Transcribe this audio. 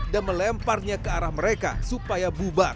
dan melemparnya ke arah mereka supaya bubar